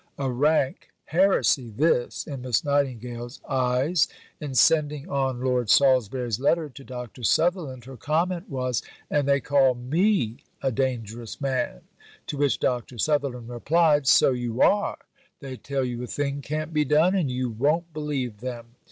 A rank heresy, this, in Miss Nightingale's eyes. In sending on Lord Salisbury's letter to Dr. Sutherland, her comment was: "And they call me a dangerous man!" To which Dr. Sutherland replied: "So you are! They tell you a thing can't be done, and you won't believe them!